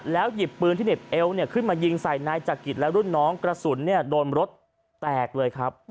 หยิบปืนที่เหน็บเอวขึ้นมายิงใส่นายจักริตและรุ่นน้องกระสุนโดนรถแตกเลยครับ